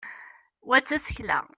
wa d tasekla